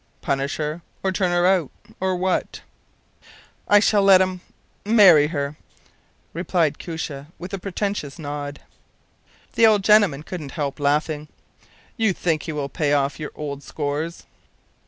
Punish her, or turn her out, or what?” “I shall let him marry her,” replied Koosje, with a portentous nod. The old gentleman couldn’t help laughing. “You think he will pay off your old scores?